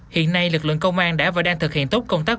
hiện nay lực lượng công an đã và đang thực hiện tốt công tác